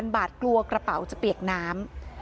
บาทกลัวกระเป๋าจะเปียกน้ำ